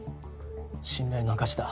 信頼の証しだ。